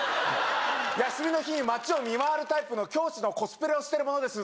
休みの日に街を見回るタイプの教師のコスプレをしてる者です